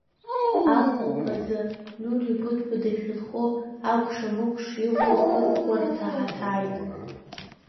Ахәылԥазы Нури Быҭәба дахьынхо акәшамыкәша иҟоу ахырӷәӷәарҭа ҳаҭааит.